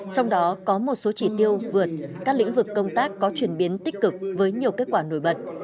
trong đó có một số chỉ tiêu vượt các lĩnh vực công tác có chuyển biến tích cực với nhiều kết quả nổi bật